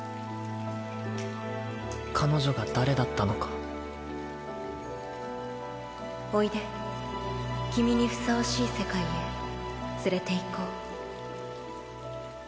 彼女が誰だったのかおいで君にふさわしい世界へ連れて行こう